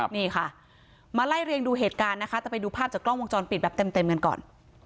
นี่ค่ะมาไล่เรียงดูเหตุการณ์นะคะแต่ไปดูภาพจากกล้องวงจรปิดแบบเต็มกันก่อน